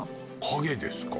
影ですか？